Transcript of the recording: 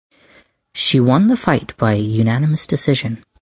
She won the fight by unanimous decision.